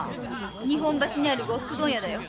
日本橋の呉服問屋だよ。